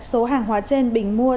số hàng hóa trên bình mua